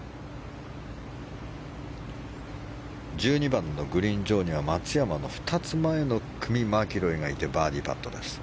１２番のグリーン上には松山の２つ前の組マキロイがいてバーディーパット。